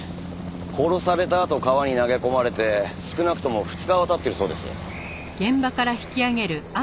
殺されたあと川に投げ込まれて少なくとも２日は経っているそうです。